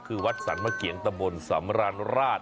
คือวัดสรรมะเกียงตะบนสำราญราช